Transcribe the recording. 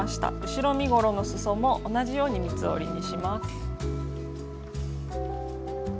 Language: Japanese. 後ろ身ごろのすそも同じように三つ折りにします。